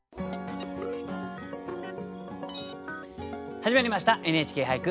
始まりました「ＮＨＫ俳句」。